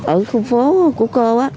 ở khu phố của cô